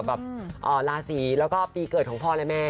ราศีแล้วก็ปีเกิดของพ่อและแม่